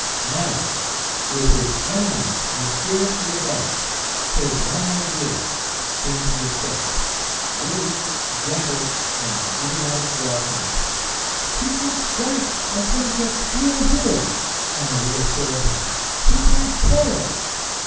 Now, with his enemy mysteriously above, his one idea seemed to be escape. Willie jabbered an idiotic welcome. "He can't strike until he gets clear here," Anna reassured him. "He can't coil."